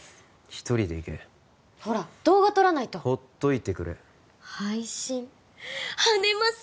一人で行けほら動画撮らないとほっといてくれ配信跳ねます